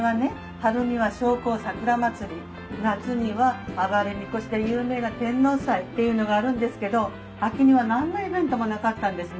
春には商工桜祭り夏には「あばれみこし」で有名な天王祭っていうのがあるんですけど秋には何のイベントもなかったんですね。